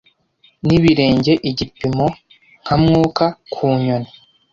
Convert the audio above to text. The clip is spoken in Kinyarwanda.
nibirenge Igipimo Nka mwuka ku nyoni